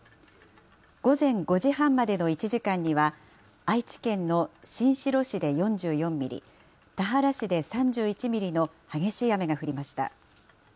午前５時半までの１時間には、愛知県の新城市で４４ミリ、田原市で３１ミリの激しい雨が降りました。